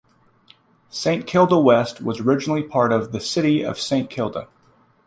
Saint Kilda West was originally part of the City of Saint Kilda.